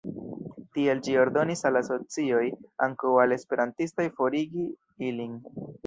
Tial ĝi ordonis al asocioj, ankaŭ al esperantistaj, forigi ilin.